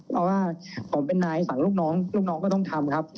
เพราะว่าผมเป็นนายฝั่งลูกน้องลูกน้องก็ต้องทำครับ